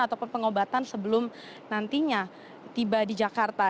ataupun pengobatan sebelum nantinya tiba di jakarta